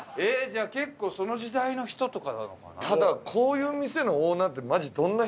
じゃあ結構その時代の人とかなのかな？ただこういう店のオーナーってマジどんな人？